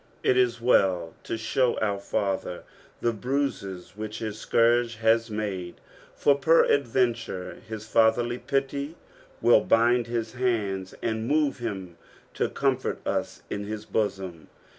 It is well to show our Father the bruises which his scourge has made, for peradventure his fatherly pity will bind his hands, and move him to comfort us in his bosom.